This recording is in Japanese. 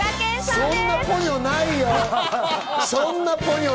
そんなポニョない！